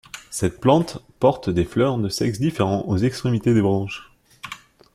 Cette plante porte des fleurs de sexe différent aux extrémités des branches.